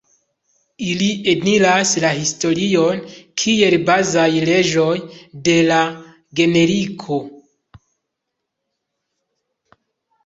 Ili eniras la historion kiel bazaj leĝoj de la genetiko.